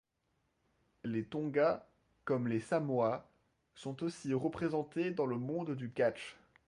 Les Tonga, comme les Samoa, sont aussi représentés dans le monde du catch.